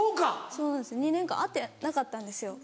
そうなんですよ２年間会ってなかったんですよ